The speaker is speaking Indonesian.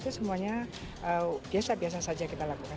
itu semuanya biasa biasa saja kita lakukan